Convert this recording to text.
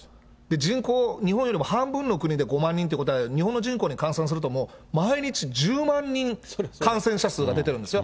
人口、日本よりも半分の国で５万人ということは、日本の人口に換算すると、もう毎日１０万人感染者数が出てるんですよ。